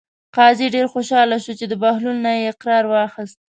قاضي ډېر خوشحاله شو چې د بهلول نه یې اقرار واخیست.